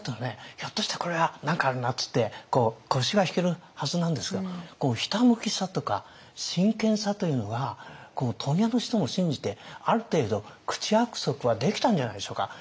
ひょっとしたらこれは何かあるなっていって腰が引けるはずなんですがひたむきさとか真剣さというのが問屋の人も信じてある程度口約束はできたんじゃないでしょうか。